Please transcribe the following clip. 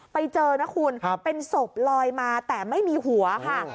ไปเจอนะคุณเป็นศพลอยมาแต่ไม่มีหัวค่ะ